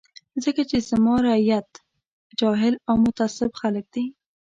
ځکه چې زما رعیت جاهل او متعصب خلک دي.